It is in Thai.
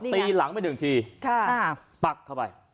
ตีหลังไปหนึ่งทีปักเข้าไป